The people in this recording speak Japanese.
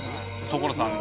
所さん